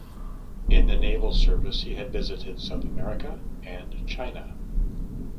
In the naval service he had visited South America and China.